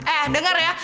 eh denger ya